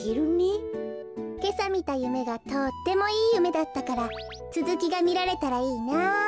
けさみたゆめがとってもいいゆめだったからつづきがみられたらいいなあ。